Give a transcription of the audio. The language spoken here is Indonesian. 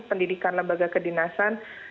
pendidikan lembaga kedinasan